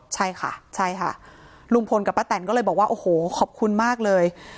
ใช่ค่ะใช่ค่ะลุงพลกับป้าแตนก็เลยบอกว่าโอ้โหขอบคุณมากเลย